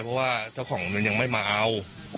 เพราะว่าเจ้าของมันยังไม่มาเอา